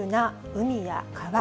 海や川。